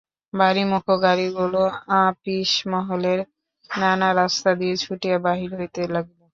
বাড়িমুখো গাড়িগুলো আপিসমহলের নানা রাস্তা দিয়া ছুটিয়া বাহির হইতে লাগিল ।